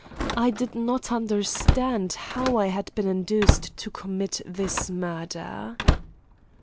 I did not understand how I had been induced to commit this murder.